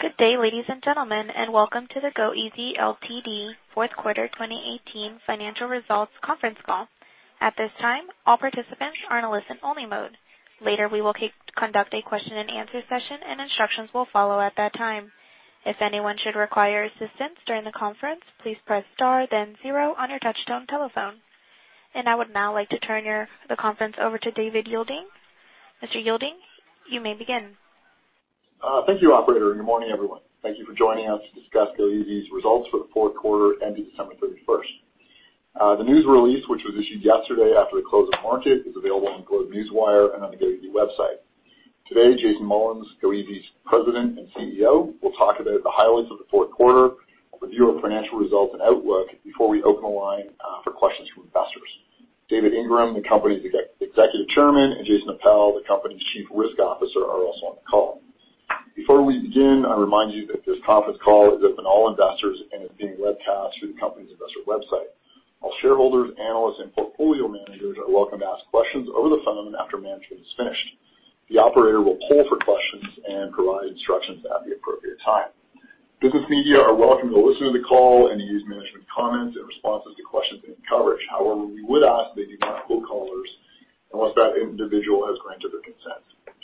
Good day, ladies and gentlemen, and Welcome to the goeasy Ltd. Fourth Quarter 2018 Financial Results Conference Call. At this time, all participants are in a listen-only mode. Later, we will conduct a question-and-answer session, and instructions will follow at that time. If anyone should require assistance during the conference, please press star then zero on your touchtone telephone. And I would now like to turn the conference over to David Yeilding. Mr. Yeilding, you may begin. Thank you, operator, and good morning, everyone. Thank you for joining us to discuss goeasy's results for the fourth quarter ending December 31st. The news release, which was issued yesterday after the close of market, is available on GlobeNewswire and on the goeasy website. Today, Jason Mullins, goeasy's President and CEO, will talk about the highlights of the fourth quarter, a review of financial results and outlook before we open the line for questions from investors. David Ingram, the company's Executive Chairman, and Jason Appel, the company's Chief Risk Officer, are also on the call. Before we begin, I remind you that this conference call is open to all investors and is being webcast through the company's investor website. All shareholders, analysts, and portfolio managers are welcome to ask questions over the phone after management is finished. The operator will poll for questions and provide instructions at the appropriate time. Business media are welcome to listen to the call and use management comments and responses to questions in coverage. However, we would ask that you not quote callers unless that individual has granted their consent.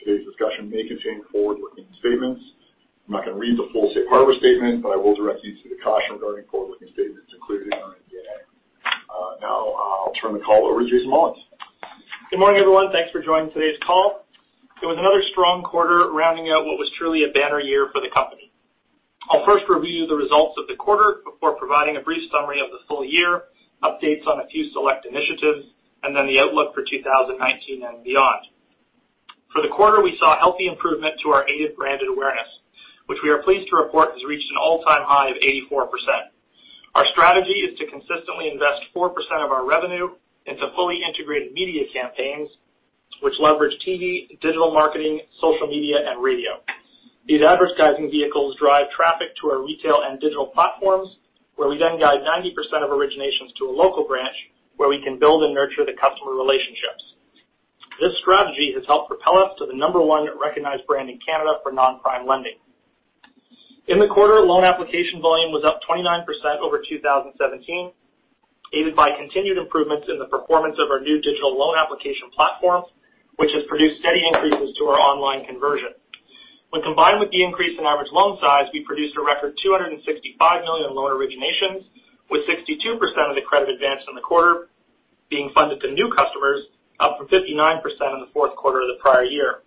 Today's discussion may contain forward-looking statements. I'm not going to read the full safe harbor statement, but I will direct you to the caution regarding forward-looking statements included in our MD&A. Now, I'll turn the call over to Jason Mullins. Good morning, everyone. Thanks for joining today's call. It was another strong quarter, rounding out what was truly a banner year for the company. I'll first review the results of the quarter before providing a brief summary of the full year, updates on a few select initiatives, and then the outlook for 2019 and beyond. For the quarter, we saw a healthy improvement to our aided brand awareness, which we are pleased to report has reached an all-time high of 84%. Our strategy is to consistently invest 4% of our revenue into fully integrated media campaigns, which leverage TV, digital marketing, social media, and radio. These advertising vehicles drive traffic to our retail and digital platforms, where we then guide 90% of originations to a local branch, where we can build and nurture the customer relationships. This strategy has helped propel us to the number one recognized brand in Canada for non-prime lending. In the quarter, loan application volume was up 29% over 2017, aided by continued improvements in the performance of our new digital loan application platform, which has produced steady increases to our online conversion. When combined with the increase in average loan size, we produced a record 265 million in loan originations, with 62% of the credit advanced in the quarter being funded to new customers, up from 59% in the fourth quarter of the prior year.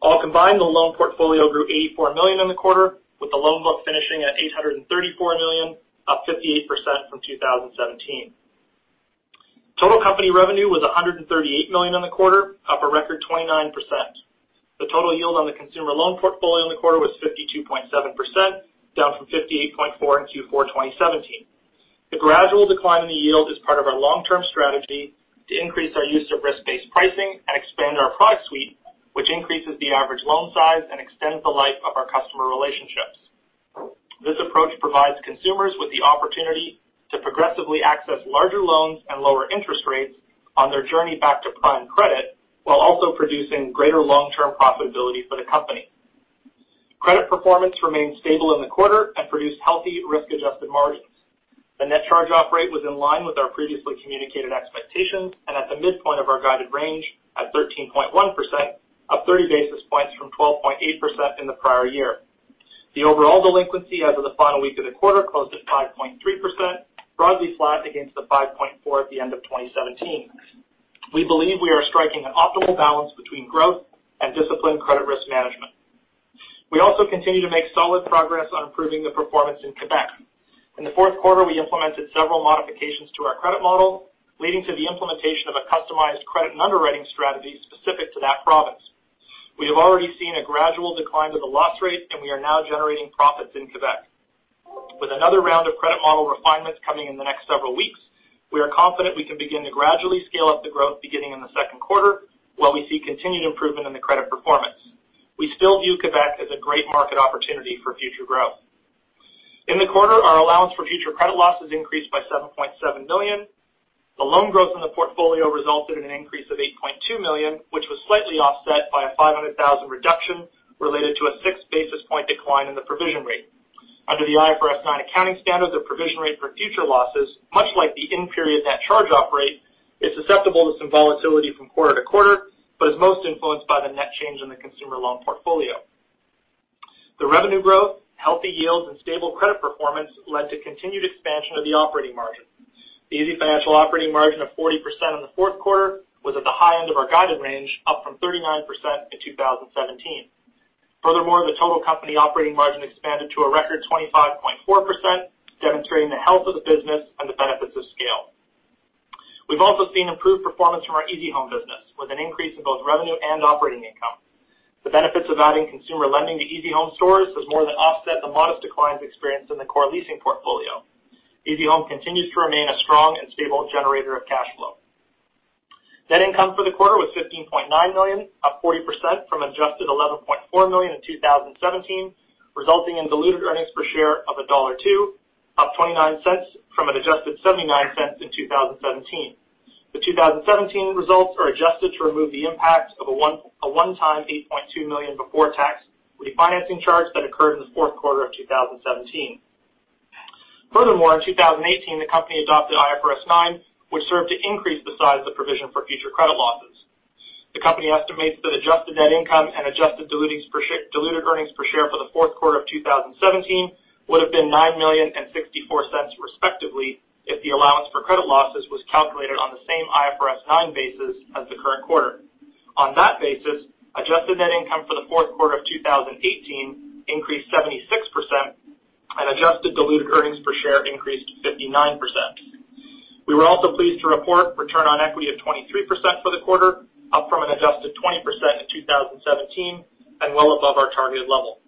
All combined, the loan portfolio grew CAD 84 million in the quarter, with the loan book finishing at CAD 834 million, up 58% from 2017. Total company revenue was 138 million in the quarter, up a record 29%. The total yield on the consumer loan portfolio in the quarter was 52.7%, down from 58.4% in Q4 2017. The gradual decline in the yield is part of our long-term strategy to increase our use of risk-based pricing and expand our product suite, which increases the average loan size and extends the life of our customer relationships. This approach provides consumers with the opportunity to progressively access larger loans and lower interest rates on their journey back to prime credit, while also producing greater long-term profitability for the company. Credit performance remained stable in the quarter and produced healthy risk-adjusted margins. The net charge-off rate was in line with our previously communicated expectations and at the midpoint of our guided range at 13.1%, up thirty basis points from 12.8% in the prior year. The overall delinquency as of the final week of the quarter closed at 5.3%, broadly flat against the 5.4% at the end of 2017. We believe we are striking an optimal balance between growth and disciplined credit risk management. We also continue to make solid progress on improving the performance in Quebec. In the fourth quarter, we implemented several modifications to our credit model, leading to the implementation of a customized credit and underwriting strategy specific to that province. We have already seen a gradual decline to the loss rate, and we are now generating profits in Quebec. With another round of credit model refinements coming in the next several weeks, we are confident we can begin to gradually scale up the growth beginning in the second quarter, while we see continued improvement in the credit performance. We still view Quebec as a great market opportunity for future growth. In the quarter, our allowance for future credit losses increased by 7.7 million. The loan growth in the portfolio resulted in an increase of 8.2 million, which was slightly offset by a 500,000 reduction related to a six basis points decline in the provision rate. Under the IFRS 9 accounting standard, the provision rate for future losses, much like the in-period net charge-off rate, is susceptible to some volatility from quarter to quarter, but is most influenced by the net change in the consumer loan portfolio. The revenue growth, healthy yields, and stable credit performance led to continued expansion of the operating margin. The easyfinancial operating margin of 40% in the fourth quarter was at the high end of our guided range, up from 39% in 2017. Furthermore, the total company operating margin expanded to a record 25.4%, demonstrating the health of the business and the benefits of scale. We've also seen improved performance from our easyhome business, with an increase in both revenue and operating income. The benefits of adding consumer lending to easyhome stores has more than offset the modest declines experienced in the core leasing portfolio. Easyhome continues to remain a strong and stable generator of cash flow. Net income for the quarter was 15.9 million, up 40% from adjusted 11.4 million in 2017, resulting in diluted earnings per share of dollar 1.02, up 0.29 from an adjusted 0.79 in 2017. The 2017 results are adjusted to remove the impact of a one-time 8.2 million before-tax refinancing charge that occurred in the fourth quarter of 2017. Furthermore, in 2018, the company adopted IFRS 9, which served to increase the size of the provision for future credit losses. The company estimates that adjusted net income and adjusted diluted earnings per share for the fourth quarter of 2017 would have been 9 million and 0.64, respectively, if the allowance for credit losses was calculated on the same IFRS 9 basis as the current quarter. On that basis, adjusted net income for the fourth quarter of 2018 increased 76% and adjusted diluted earnings per share increased 59%. We were also pleased to report return on equity of 23% for the quarter, up from an adjusted 20% in 2017 and well above our targeted level.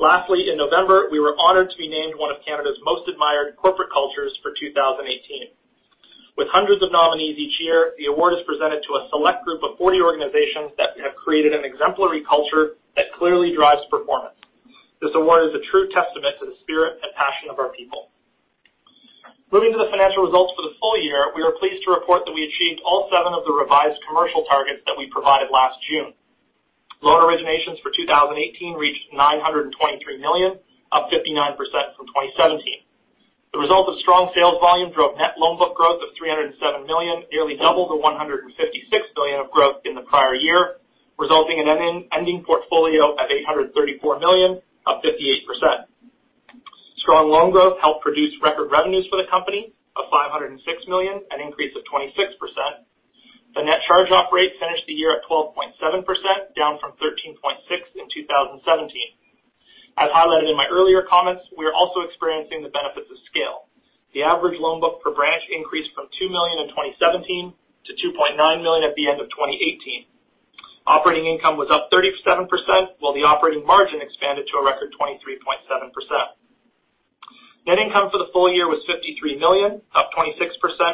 Lastly, in November, we were honored to be named one of Canada's most admired corporate cultures for 2018. With hundreds of nominees each year, the award is presented to a select group of 40 organizations that have created an exemplary culture that clearly drives performance. This award is a true testament to the spirit and passion of our people. Moving to the financial results for the full year, we are pleased to report that we achieved all 7 of the revised commercial targets that we provided last June. Loan originations for 2018 reached 923 million, up 59% from 2017. The result of strong sales volume drove net loan book growth of CAD 307 million, nearly double the CAD 156 million of growth in the prior year, resulting in an ending portfolio at CAD 834 million, up 58%. Strong loan growth helped produce record revenues for the company of 506 million, an increase of 26%. The net charge-off rate finished the year at 12.7%, down from 13.6% in 2017. As highlighted in my earlier comments, we are also experiencing the benefits of scale. The average loan book per branch increased from 2 million in 2017 to 2.9 million at the end of 2018. Operating income was up 37%, while the operating margin expanded to a record 23.7%. Net income for the full year was CAD 53 million, up 26%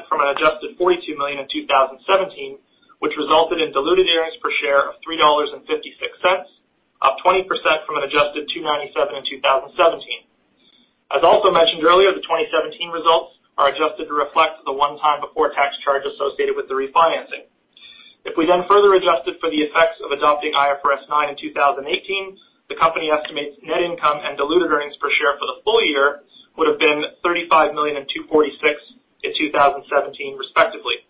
from an adjusted CAD 42 million in two thousand and seventeen, which resulted in diluted earnings per share of CAD 3.56, up 20% from an adjusted CAD 2.97 in two thousand and seventeen. As also mentioned earlier, the 2017 results are adjusted to reflect the one-time before-tax charge associated with the refinancing. If we then further adjusted for the effects of adopting IFRS 9 in 2018, the company estimates net income and diluted earnings per share for the full year would have been 35 million and 2.46 in 2017, respectively.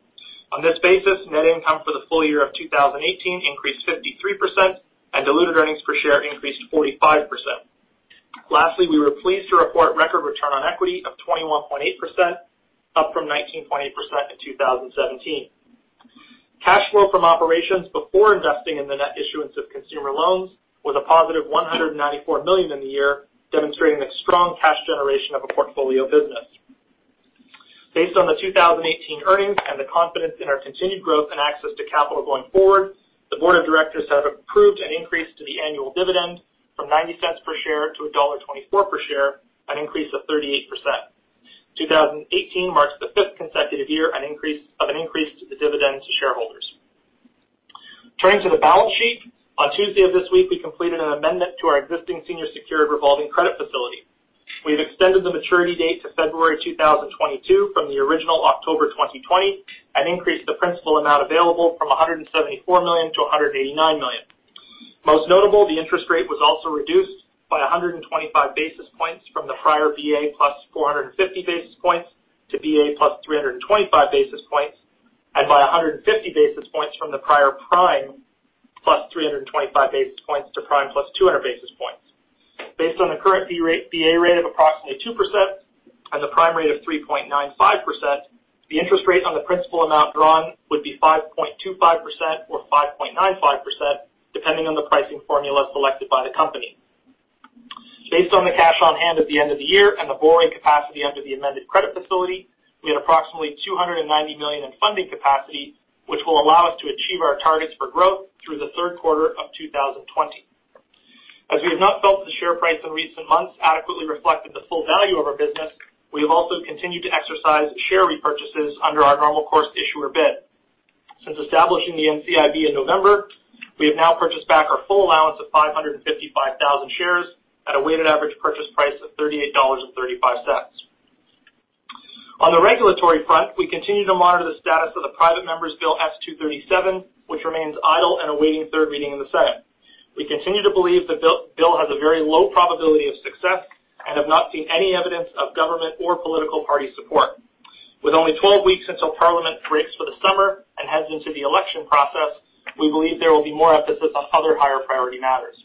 On this basis, net income for the full year of 2018 increased 53%, and diluted earnings per share increased 45%. Lastly, we were pleased to report record return on equity of 21.8%, up from 19.8% in 2017. Cash flow from operations before investing in the net issuance of consumer loans was a positive 194 million in the year, demonstrating the strong cash generation of a portfolio business. Based on the 2018 earnings and the confidence in our continued growth and access to capital going forward, the board of directors have approved an increase to the annual dividend from 0.90 per share to dollar 1.24 per share, an increase of 38%. 2018 marks the fifth consecutive year of an increase to the dividend to shareholders. Turning to the balance sheet, on Tuesday of this week, we completed an amendment to our existing senior secured revolving credit facility. We've extended the maturity date to February 2022 from the original October 2020, and increased the principal amount available from 174 million to 189 million. Most notable, the interest rate was also reduced by 125 basis points from the prior BA plus 450 basis points to BA plus 325 basis points, and by 150 basis points from the prior prime plus 325 basis points to prime plus 200 basis points. Based on the current BA rate of approximately 2% and the prime rate of 3.95%, the interest rate on the principal amount drawn would be 5.25% or 5.95%, depending on the pricing formula selected by the company. Based on the cash on hand at the end of the year and the borrowing capacity under the amended credit facility, we had approximately 290 million in funding capacity, which will allow us to achieve our targets for growth through the third quarter of 2020. As we have not felt the share price in recent months adequately reflected the full value of our business, we have also continued to exercise share repurchases under our normal course issuer bid. Since establishing the NCIB in November, we have now purchased back our full allowance of 555,000 shares at a weighted average purchase price of 38.35 dollars. On the regulatory front, we continue to monitor the status of the Private Member's Bill S-237, which remains idle and awaiting third reading in the Senate. We continue to believe the bill has a very low probability of success and have not seen any evidence of government or political party support. With only 12 weeks until Parliament breaks for the summer and heads into the election process, we believe there will be more emphasis on other higher priority matters.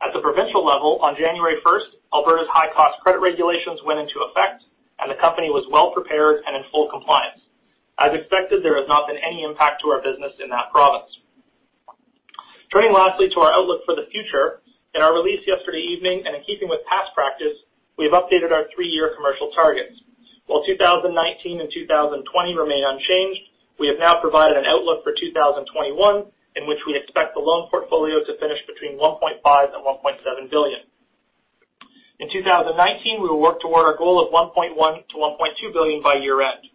At the provincial level, on January first, Alberta's high-cost credit regulations went into effect, and the company was well prepared and in full compliance. As expected, there has not been any impact to our business in that province. Turning lastly to our outlook for the future, in our release yesterday evening and in keeping with past practice, we have updated our three-year commercial targets. While two thousand and nineteen and two thousand and twenty remain unchanged, we have now provided an outlook for two thousand and twenty-one, in which we expect the loan portfolio to finish between 1.5 billion and 1.7 billion. In two thousand and nineteen, we will work toward our goal of 1.1-1.2 billion by year-end.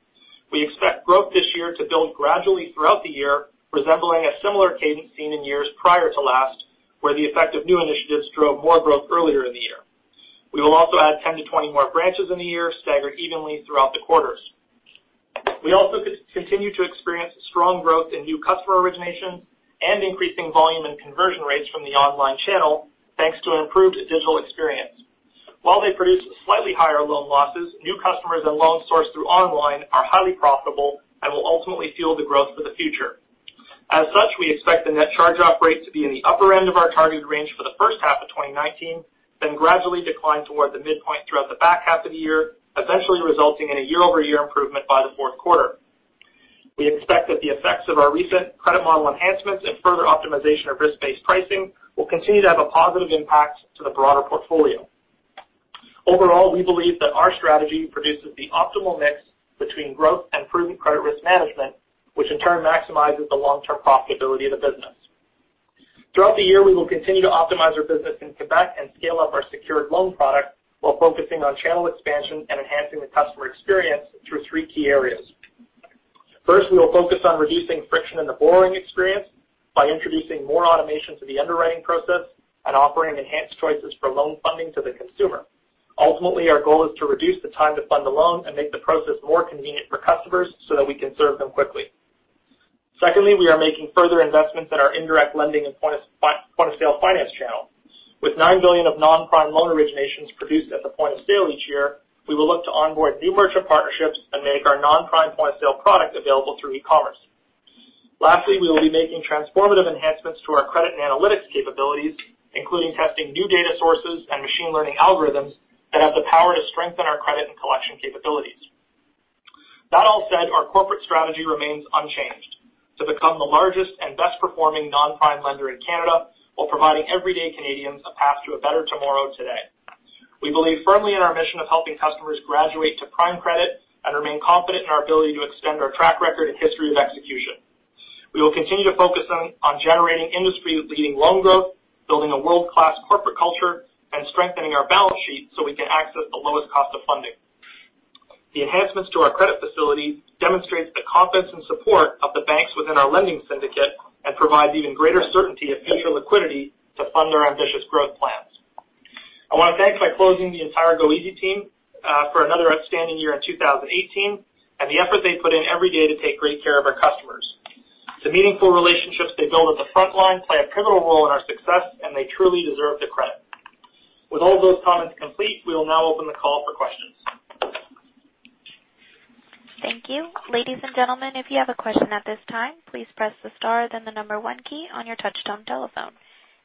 We expect growth this year to build gradually throughout the year, resembling a similar cadence seen in years prior to last, where the effect of new initiatives drove more growth earlier in the year. We will also add 10-20 more branches in the year, staggered evenly throughout the quarters. We also continue to experience strong growth in new customer origination and increasing volume and conversion rates from the online channel, thanks to an improved digital experience. While they produce slightly higher loan losses, new customers and loans sourced through online are highly profitable and will ultimately fuel the growth for the future. As such, we expect the net charge-off rate to be in the upper end of our targeted range for the first half of 2019, then gradually decline toward the midpoint throughout the back half of the year, eventually resulting in a year-over-year improvement by the fourth quarter. We expect that the effects of our recent credit model enhancements and further optimization of risk-based pricing will continue to have a positive impact to the broader portfolio. Overall, we believe that our strategy produces the optimal mix between growth and prudent credit risk management, which in turn maximizes the long-term profitability of the business. Throughout the year, we will continue to optimize our business in Quebec and scale up our secured loan product while focusing on channel expansion and enhancing the customer experience through three key areas. First, we will focus on reducing friction in the borrowing experience by introducing more automation to the underwriting process and offering enhanced choices for loan funding to the consumer. Ultimately, our goal is to reduce the time to fund the loan and make the process more convenient for customers so that we can serve them quickly. Secondly, we are making further investments in our indirect lending and point-of-sale finance channel. With nine billion of non-prime loan originations produced at the point of sale each year, we will look to onboard new merchant partnerships and make our non-prime point-of-sale product available through e-commerce. Lastly, we will be making transformative enhancements to our credit and analytics capabilities, including testing new data sources and machine learning algorithms that have the power to strengthen our credit and collection capabilities. That all said, our corporate strategy remains unchanged: to become the largest and best performing non-prime lender in Canada while providing everyday Canadians a path to a better tomorrow today. We believe firmly in our mission of helping customers graduate to prime credit and remain confident in our ability to extend our track record and history of execution. We will continue to focus on generating industry-leading loan growth, building a world-class corporate culture, and strengthening our balance sheet so we can access the lowest cost of funding. The enhancements to our credit facility demonstrates the confidence and support of the banks within our lending syndicate and provides even greater certainty of future liquidity to fund our ambitious growth plans. I want to thank, by closing, the entire goeasy team for another outstanding year in 2018, and the effort they put in every day to take great care of our customers. The meaningful relationships they build at the front line play a pivotal role in our success, and they truly deserve the credit. With all those comments complete, we will now open the call for questions. Thank you. Ladies and gentlemen, if you have a question at this time, please press the star, then the number one key on your touch-tone telephone.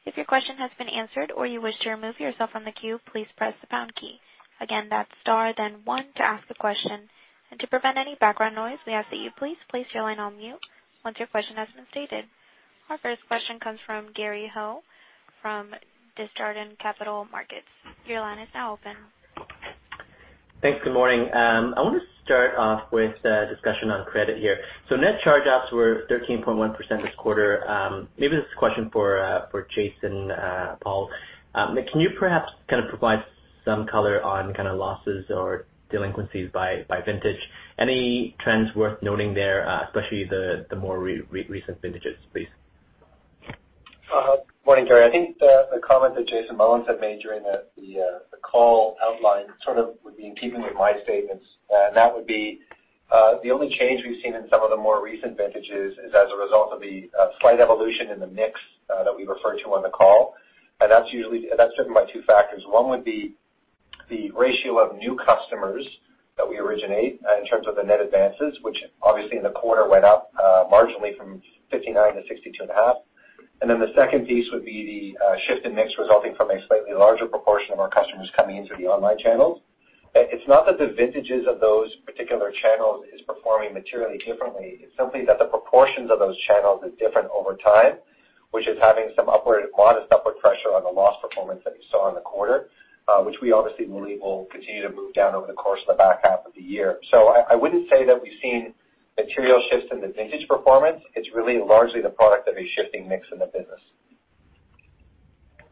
If your question has been answered or you wish to remove yourself from the queue, please press the pound key. Again, that's star, then one to ask a question. To prevent any background noise, we ask that you please place your line on mute once your question has been stated. Our first question comes from Gary Ho from Desjardins Capital Markets. Your line is now open. Thanks. Good morning. I want to start off with a discussion on credit here. So net charge-offs were 13.1% this quarter. Maybe this is a question for Jason Appel. Can you perhaps kind of provide some color on kind of losses or delinquencies by vintage? Any trends worth noting there, especially the more recent vintages, please? Good morning, Gary. I think the comment that Jason Mullins had made during the call outline sort of would be in keeping with my statements. And that would be the only change we've seen in some of the more recent vintages is as a result of the slight evolution in the mix that we referred to on the call. And that's driven by two factors. One would be the ratio of new customers that we originate in terms of the net advances, which obviously in the quarter went up marginally from 59 to 62.5. And then the second piece would be the shift in mix resulting from a slightly larger proportion of our customers coming in through the online channels. It's not that the vintages of those particular channels is performing materially differently. It's simply that the proportions of those channels is different over time, which is having some upward, modest upward pressure on the loss performance that you saw in the quarter, which we obviously believe will continue to move down over the course of the back half of the year. So I wouldn't say that we've seen material shifts in the vintage performance. It's really largely the product of a shifting mix in the business.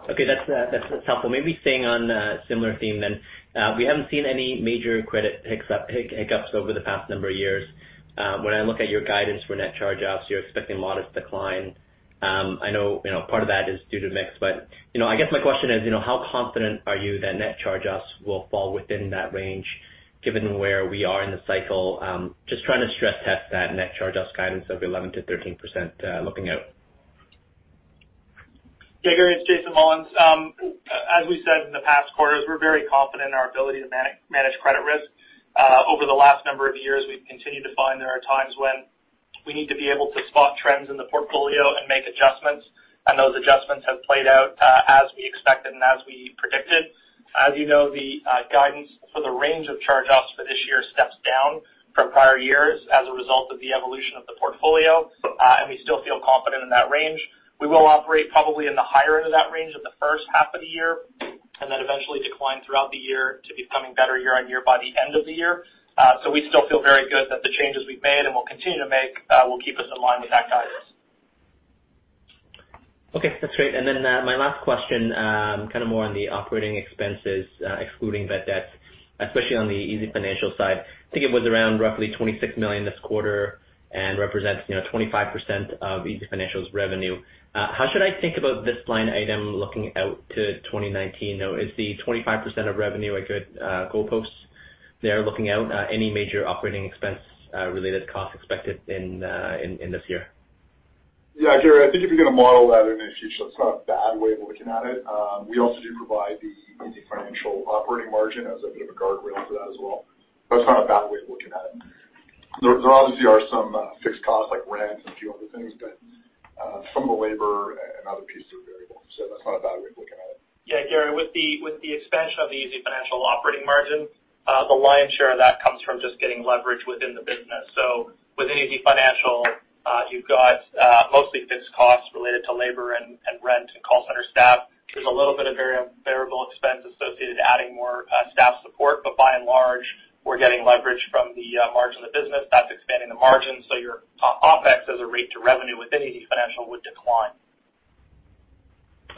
Okay, that's helpful. Maybe staying on a similar theme then, we haven't seen any major credit hiccups over the past number of years. When I look at your guidance for net charge-offs, you're expecting modest decline. I know, you know, part of that is due to mix, but, you know, I guess my question is, you know, how confident are you that net charge-offs will fall within that range, given where we are in the cycle? Just trying to stress test that net charge-offs guidance of 11%-13%, looking out. Yeah, Gary, it's Jason Mullins. As we said in the past quarters, we're very confident in our ability to manage credit risk. Over the last number of years, we've continued to find there are times when we need to be able to spot trends in the portfolio and make adjustments, and those adjustments have played out as we expected and as we predicted. As you know, the guidance for the range of charge-offs for this year steps down from prior years as a result of the evolution of the portfolio, and we still feel confident in that range. We will operate probably in the higher end of that range in the first half of the year, and then eventually decline throughout the year to becoming better year-on-year by the end of the year. So we still feel very good that the changes we've made, and will continue to make, will keep us in line with that guidance. Okay, that's great. And then, my last question, kind of more on the operating expenses, excluding bad debts, especially on the easyfinancial side. I think it was around roughly 26 million this quarter and represents, you know, 25% of easyfinancial's revenue. How should I think about this line item looking out to 2019, though? Is the 25% of revenue a good goalpost?... there looking out any major operating expense related costs expected in this year? Yeah, Gary, I think if you're going to model that in, it's just not a bad way of looking at it. We also do provide the easyfinancial operating margin as a bit of a guardrail for that as well. But it's not a bad way of looking at it. There obviously are some fixed costs like rent and a few other things, but some of the labor and other pieces are variable. So that's not a bad way of looking at it. Yeah, Gary, with the expansion of the easyfinancial operating margin, the lion's share of that comes from just getting leverage within the business. So with easyfinancial, you've got mostly fixed costs related to labor and rent and call center staff. There's a little bit of variable expense associated with adding more staff support, but by and large, we're getting leverage from the margin of the business that's expanding the margin. So your OpEx as a rate to revenue within easyfinancial would decline.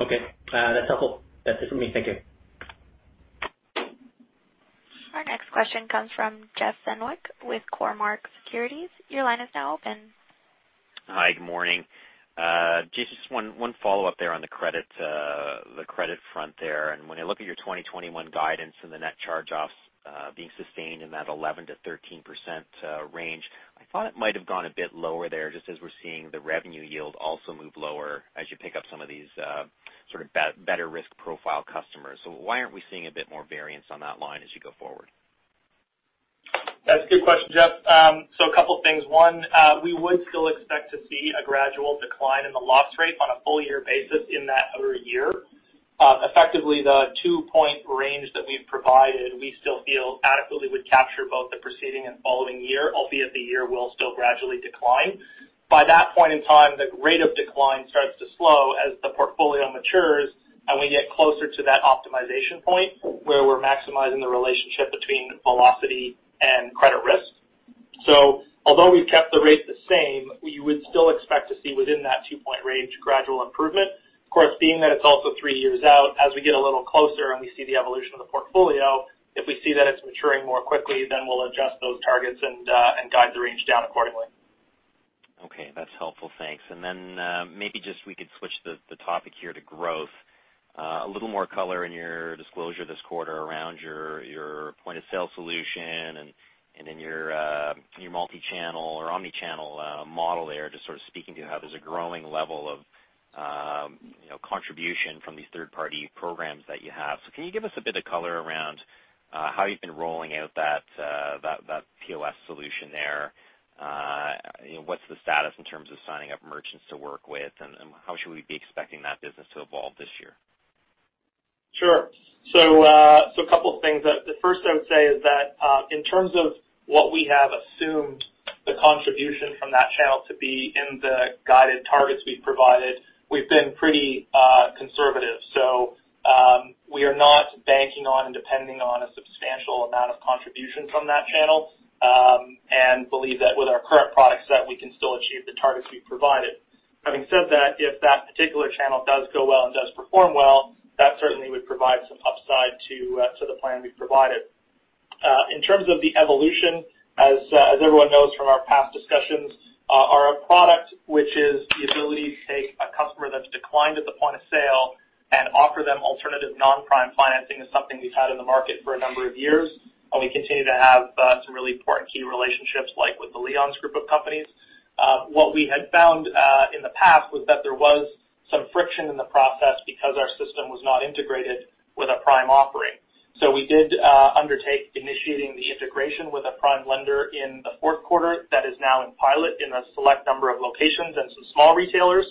Okay, that's helpful. That's it for me. Thank you. Our next question comes from Jeff Fenwick with Cormark Securities. Your line is now open. Hi, good morning. Just one follow-up there on the credit front there. When I look at your 2021 guidance and the net charge-offs being sustained in that 11%-13% range, I thought it might have gone a bit lower there, just as we're seeing the revenue yield also move lower as you pick up some of these sort of better risk profile customers. Why aren't we seeing a bit more variance on that line as you go forward? That's a good question, Jeff. So a couple of things. One, we would still expect to see a gradual decline in the loss rate on a full year basis in that other year. Effectively, the two-point range that we've provided, we still feel adequately would capture both the preceding and following year, albeit the year will still gradually decline. By that point in time, the rate of decline starts to slow as the portfolio matures and we get closer to that optimization point, where we're maximizing the relationship between velocity and credit risk. So although we've kept the rate the same, we would still expect to see within that two-point range, gradual improvement. Of course, being that it's also three years out, as we get a little closer and we see the evolution of the portfolio, if we see that it's maturing more quickly, then we'll adjust those targets and, and guide the range down accordingly. Okay, that's helpful. Thanks. And then, maybe just we could switch the topic here to growth. A little more color in your disclosure this quarter around your point-of-sale solution and in your multi-channel or omni-channel model there, just sort of speaking to how there's a growing level of, you know, contribution from these third-party programs that you have. So can you give us a bit of color around how you've been rolling out that POS solution there? You know, what's the status in terms of signing up merchants to work with, and how should we be expecting that business to evolve this year? Sure, so a couple of things. The first I would say is that in terms of what we have assumed, the contribution from that channel to be in the guided targets we've provided, we've been pretty conservative, so we are not banking on and depending on a substantial amount of contribution from that channel, and believe that with our current product set, we can still achieve the targets we've provided. Having said that, if that particular channel does go well and does perform well, that certainly would provide some upside to the plan we've provided. In terms of the evolution, as everyone knows from our past discussions, our product, which is the ability to take a customer that's declined at the point of sale and offer them alternative non-prime financing, is something we've had in the market for a number of years, and we continue to have some really important key relationships, like with the Leon's group of companies. What we had found in the past was that there was some friction in the process because our system was not integrated with a prime offering, so we did undertake initiating the integration with a prime lender in the fourth quarter that is now in pilot in a select number of locations and some small retailers.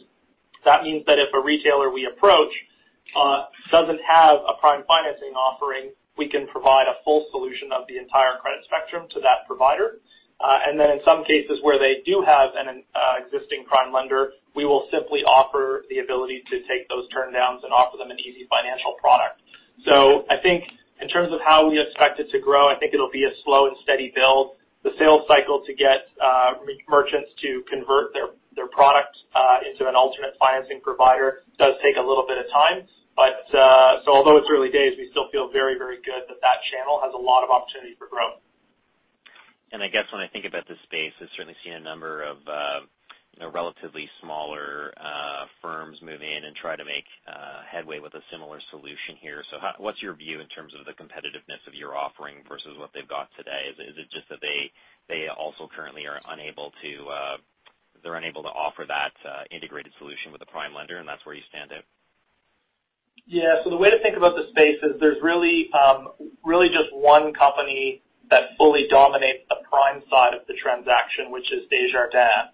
That means that if a retailer we approach doesn't have a prime financing offering, we can provide a full solution of the entire credit spectrum to that provider. And then in some cases where they do have an existing prime lender, we will simply offer the ability to take those turndowns and offer them an easyfinancial product. So I think in terms of how we expect it to grow, I think it'll be a slow and steady build. The sales cycle to get merchants to convert their product into an alternate financing provider does take a little bit of time. But so although it's early days, we still feel very, very good that that channel has a lot of opportunity for growth. I guess when I think about this space, I've certainly seen a number of, you know, relatively smaller firms move in and try to make headway with a similar solution here. So what's your view in terms of the competitiveness of your offering versus what they've got today? Is it just that they also currently are unable to offer that integrated solution with a prime lender, and that's where you stand out? Yeah, so the way to think about the space is there's really just one company that fully dominates the prime side of the transaction, which is Desjardins.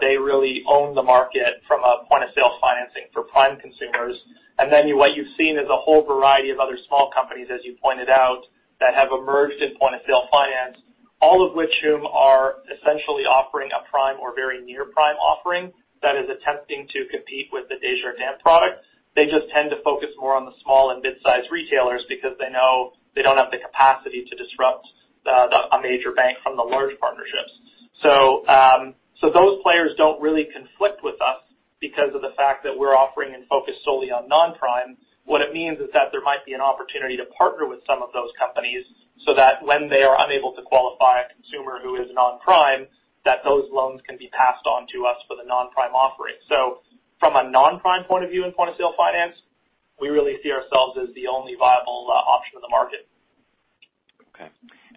They really own the market from a point-of-sale financing for prime consumers. And then what you've seen is a whole variety of other small companies, as you pointed out, that have emerged in point-of-sale finance, all of which whom are essentially offering a prime or very near prime offering that is attempting to compete with the Desjardins product. They just tend to focus more on the small and mid-sized retailers because they know they don't have the capacity to disrupt a major bank from the large partnerships. So those players don't really conflict with us because of the fact that we're offering and focused solely on non-prime. What it means is that there might be an opportunity to partner with some of those companies, so that when they are unable to qualify a consumer who is non-prime, that those loans can be passed on to us for the non-prime offering. So from a non-prime point of view and point-of-sale finance... we really see ourselves as the only viable option in the market. Okay.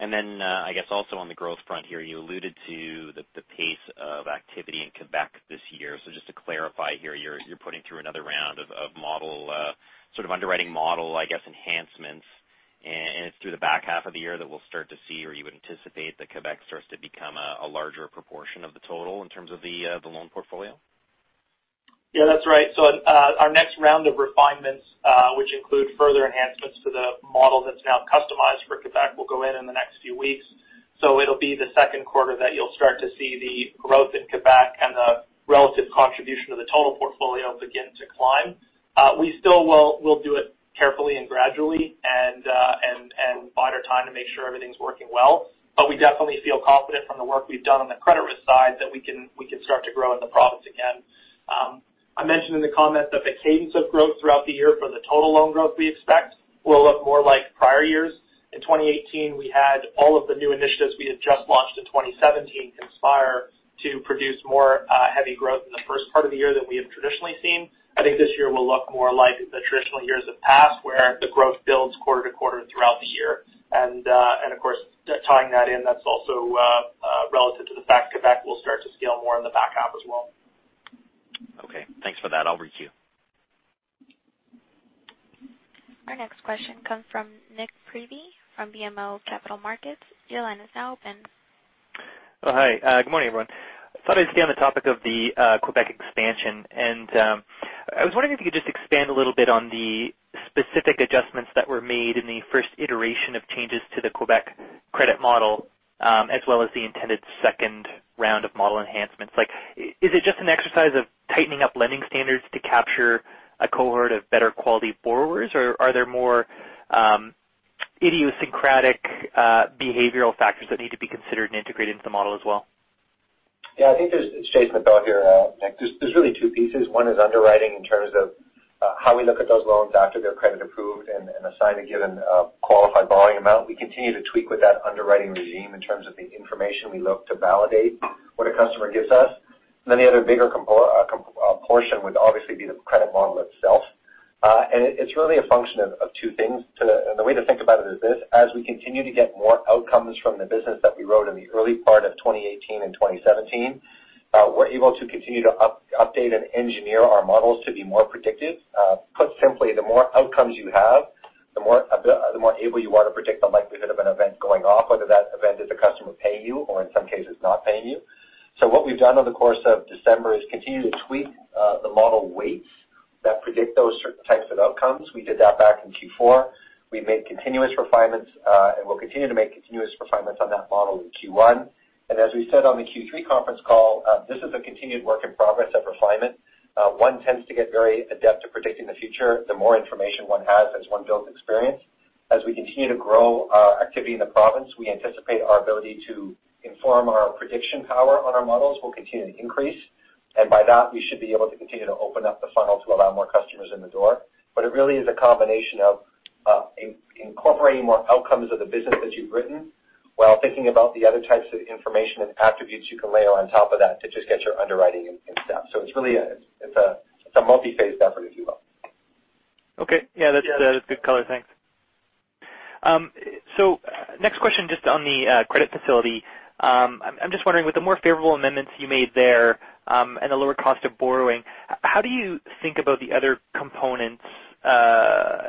And then, I guess also on the growth front here, you alluded to the pace of activity in Quebec this year. So just to clarify here, you're putting through another round of model, sort of underwriting model, I guess, enhancements, and it's through the back half of the year that we'll start to see or you would anticipate that Quebec starts to become a larger proportion of the total in terms of the loan portfolio? Yeah, that's right, so our next round of refinements, which include further enhancements to the model that's now customized for Quebec, will go in the next few weeks, so it'll be the second quarter that you'll start to see the growth in Quebec and the relative contribution to the total portfolio begin to climb. We still will do it carefully and gradually and bide our time to make sure everything's working well, but we definitely feel confident from the work we've done on the credit risk side that we can start to grow in the province again. I mentioned in the comments that the cadence of growth throughout the year for the total loan growth we expect will look more like prior years. In 2018, we had all of the new initiatives we had just launched in 2017 conspire to produce more heavy growth in the first part of the year than we have traditionally seen. I think this year will look more like the traditional years of the past, where the growth builds quarter to quarter throughout the year and of course, tying that in, that's also relative to the fact Quebec will start to scale more in the back half as well. Okay, thanks for that. I'll queue. Our next question comes from Nik Priebe from BMO Capital Markets. Your line is now open. Oh, hi. Good morning, everyone. Thought I'd stay on the topic of the Quebec expansion, and I was wondering if you could just expand a little bit on the specific adjustments that were made in the first iteration of changes to the Quebec credit model, as well as the intended second round of model enhancements. Like, is it just an exercise of tightening up lending standards to capture a cohort of better quality borrowers, or are there more idiosyncratic behavioral factors that need to be considered and integrated into the model as well? Yeah, I think there's it's Jason Appel here, Nick. There's really two pieces. One is underwriting in terms of how we look at those loans after they're credit approved and assigned a given qualified borrowing amount. We continue to tweak with that underwriting regime in terms of the information we look to validate what a customer gives us. And then the other bigger portion would obviously be the credit model itself. And it's really a function of two things to the. And the way to think about it is this: as we continue to get more outcomes from the business that we wrote in the early part of 2018 and 2017, we're able to continue to update and engineer our models to be more predictive. Put simply, the more outcomes you have, the more able you are to predict the likelihood of an event going off, whether that event is a customer paying you or, in some cases, not paying you, so what we've done over the course of December is continue to tweak the model weights that predict those certain types of outcomes. We did that back in Q4. We've made continuous refinements, and we'll continue to make continuous refinements on that model in Q1, and as we said on the Q3 conference call, this is a continued work in progress of refinement. One tends to get very adept at predicting the future, the more information one has as one builds experience. As we continue to grow activity in the province, we anticipate our ability to inform our prediction power on our models will continue to increase, and by that, we should be able to continue to open up the funnel to allow more customers in the door. But it really is a combination of incorporating more outcomes of the business that you've written, while thinking about the other types of information and attributes you can layer on top of that to just get your underwriting in step. So it's really a multi-phase effort, if you will. Okay. Yeah, that's good color. Thanks. So next question, just on the credit facility. I'm just wondering, with the more favorable amendments you made there, and the lower cost of borrowing, how do you think about the other components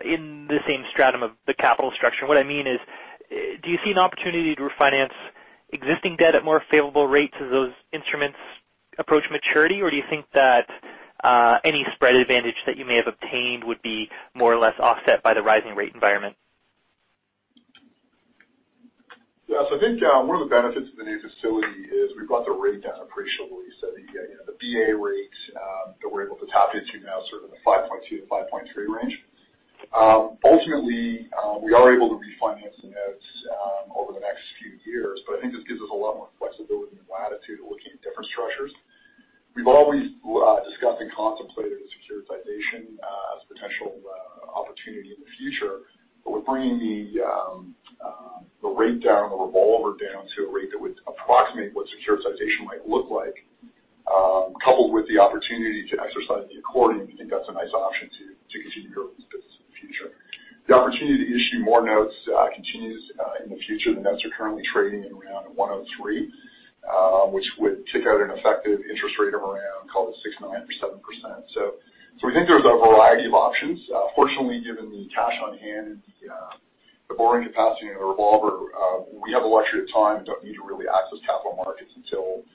in the same stratum of the capital structure? What I mean is, do you see an opportunity to refinance existing debt at more favorable rates as those instruments approach maturity, or do you think that any spread advantage that you may have obtained would be more or less offset by the rising rate environment? Yeah, so I think one of the benefits of the new facility is we've got the rate down appreciably. So the BA rates that we're able to tap into now, sort of in the 5.2%-5.3% range. Ultimately, we are able to refinance the notes over the next few years, but I think this gives us a lot more flexibility and latitude of looking at different structures. We've always discussed and contemplated securitization as a potential opportunity in the future. But we're bringing the rate down, the revolver down to a rate that would approximate what securitization might look like, coupled with the opportunity to exercise the accordion. We think that's a nice option to continue to grow this business in the future. The opportunity to issue more notes continues in the future. The notes are currently trading in around 103, which would take out an effective interest rate of around, call it 6.9%-7%. So we think there's a variety of options. Fortunately, given the cash on hand and the borrowing capacity and the revolver, we have a luxury of time and don't need to really access capital markets until,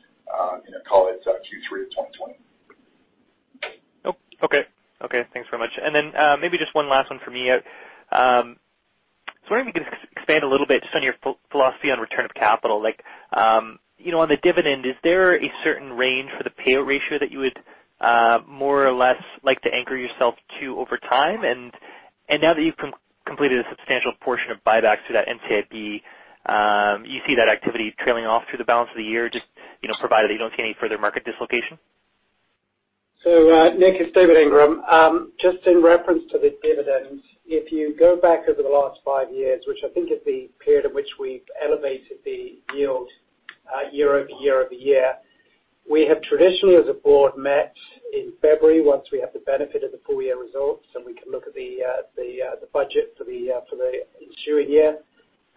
you know, call it Q3 of 2020. Oh, okay. Okay, thanks very much. And then, maybe just one last one for me. So I was wondering if you could expand a little bit just on your philosophy on return of capital. Like, you know, on the dividend, is there a certain range for the payout ratio that you would more or less like to anchor yourself to over time? And, now that you've completed a substantial portion of buybacks to that NCIB, do you see that activity trailing off through the balance of the year, just, you know, provided that you don't see any further market dislocation? Nik, it's David Ingram. Just in reference to the dividend, if you go back over the last five years, which I think is the period in which we've elevated the yield, year-over-year. We have traditionally, as a board, met in February once we have the benefit of the full year results, and we can look at the budget for the ensuing year,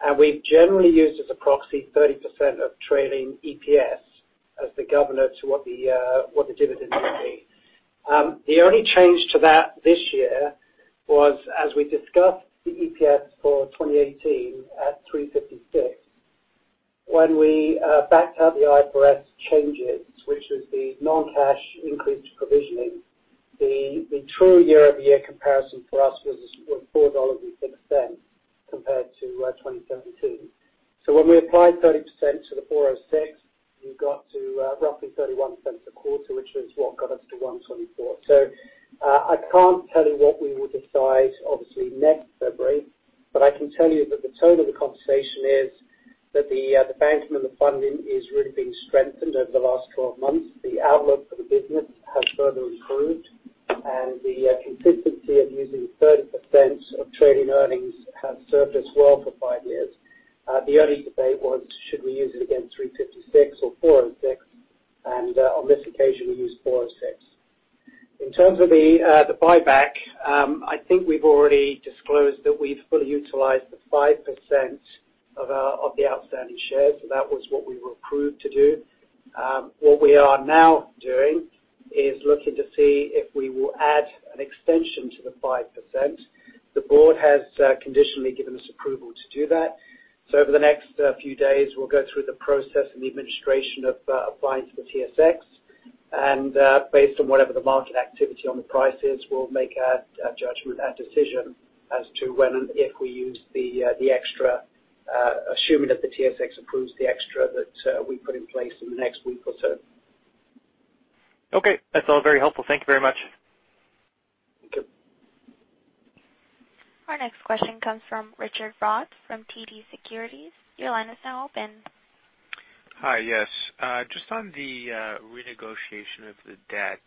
and we've generally used as a proxy 30% of trailing EPS as the governor to what the dividend will be. The only change to that this year was, as we discussed, the EPS for 2018 at 3.56. When we backed out the IFRS changes, which was the non-cash increased provisioning, the true year-over-year comparison for us was 4.06 dollars compared to 2017, so when we applied 30% to the 4.06, we got to roughly 0.31 a quarter, which was what got us to 1.24. I can't tell you what we will decide, obviously, next February, but I can tell you that the tone of the conversation is that the banking and the funding is really being strengthened over the last twelve months. The outlook for the business has further improved, and the consistency of using 30% of trailing earnings has served us well for five years. The only debate was should we use it against 356 or 406, and on this occasion, we used 406. In terms of the buyback, I think we've already disclosed that we've fully utilized the 5% of the outstanding shares, so that was what we were approved to do. What we are now doing is looking to see if we will add an extension to the 5%. The board has conditionally given us approval to do that. So over the next few days, we'll go through the process and the administration of applying to the TSX. And based on whatever the market activity on the price is, we'll make our judgment, our decision as to when and if we use the extra, assuming that the TSX approves the extra that we put in place in the next week or so. Okay, that's all very helpful. Thank you very much. Thank you. Our next question comes from Richard Tse from National Bank Financial. Your line is now open. Hi. Yes. Just on the renegotiation of the debt,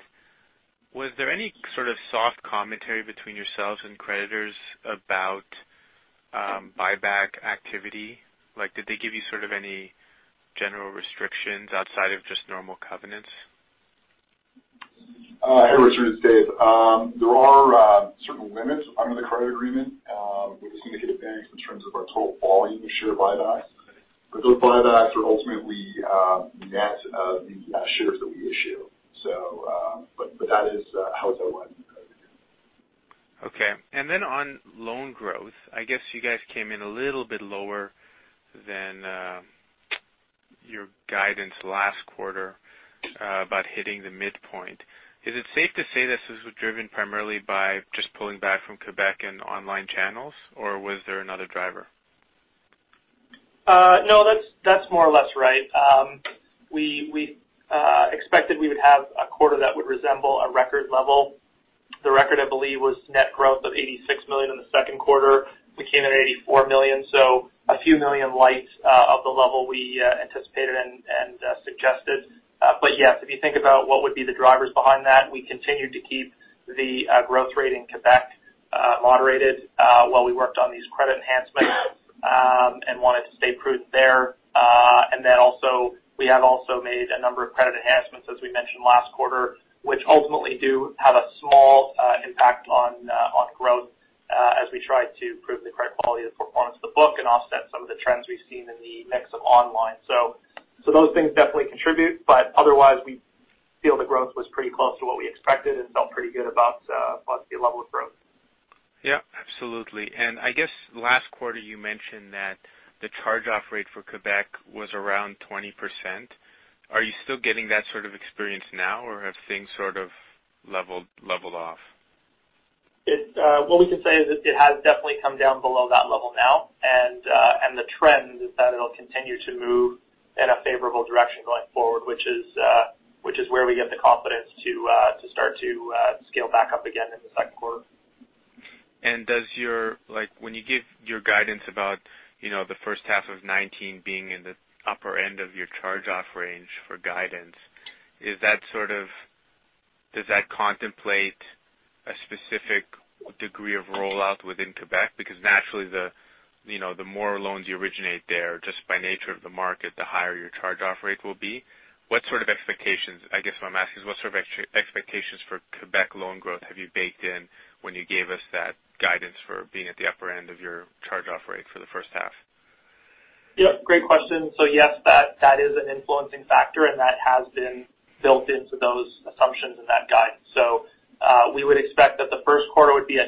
was there any sort of soft commentary between yourselves and creditors about buyback activity? Like, did they give you sort of any general restrictions outside of just normal covenants? Hey, Richard, it's Dave. There are certain limits under the credit agreement with the syndicated banks in terms of our total volume of share buybacks. But those buybacks are ultimately net of the shares that we issue. So, but that is how it's outlined in the credit agreement. Okay. And then on loan growth, I guess you guys came in a little bit lower than your guidance last quarter about hitting the midpoint. Is it safe to say this is driven primarily by just pulling back from Quebec and online channels, or was there another driver? No, that's, that's more or less right. We expected we would have a quarter that would resemble a record level. The record, I believe, was net growth of 86 million in the second quarter. We came in at 84 million, so a few million light of the level we anticipated and suggested. But yes, if you think about what would be the drivers behind that, we continued to keep the growth rate in Quebec moderated while we worked on these credit enhancements and wanted to stay prudent there. And then also, we have also made a number of credit enhancements, as we mentioned last quarter, which ultimately do have a small impact on growth, as we try to improve the credit quality and performance of the book and offset some of the trends we've seen in the mix of online. So those things definitely contribute, but otherwise, we feel the growth was pretty close to what we expected and felt pretty good about the level of growth. Yeah, absolutely. And I guess last quarter you mentioned that the charge-off rate for Quebec was around 20%. Are you still getting that sort of experience now, or have things sort of leveled off? What we can say is that it has definitely come down below that level now, and the trend is that it'll continue to move in a favorable direction going forward, which is where we get the confidence to start to scale back up again in the second quarter. Does your—like, when you give your guidance about, you know, the first half of 2019 being in the upper end of your charge-off range for guidance, is that sort of—does that contemplate a specific degree of rollout within Quebec? Because naturally, the, you know, the more loans you originate there, just by nature of the market, the higher your charge-off rate will be. What sort of expectations, I guess what I'm asking is, what sort of expectations for Quebec loan growth have you baked in, when you gave us that guidance for being at the upper end of your charge-off rate for the first half? Yep, great question. So yes, that, that is an influencing factor, and that has been built into those assumptions in that guide. So, we would expect that the first quarter would be a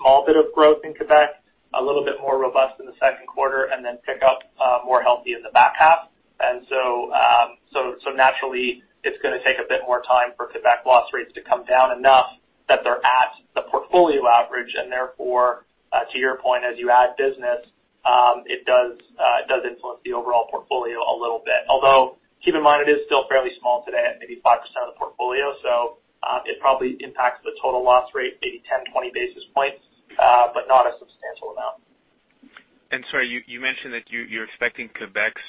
small bit of growth in Quebec, a little bit more robust in the second quarter, and then pick up more healthy in the back half. And so, naturally, it's gonna take a bit more time for Quebec loss rates to come down enough that they're at the portfolio average, and therefore, to your point, as you add business, it does influence the overall portfolio a little bit. Although, keep in mind, it is still fairly small today, at maybe 5% of the portfolio, so it probably impacts the total loss rate, maybe 10, 20 basis points, but not a substantial amount. And sorry, you mentioned that you're expecting Quebec's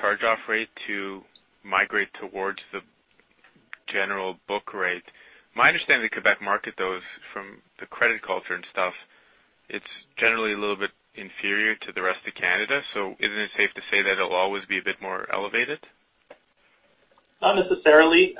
charge-off rate to migrate towards the general book rate. My understanding of the Quebec market though is from the credit culture and stuff; it's generally a little bit inferior to the rest of Canada. So isn't it safe to say that it'll always be a bit more elevated? Not necessarily.